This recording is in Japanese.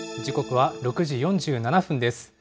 時刻は６時４７分です。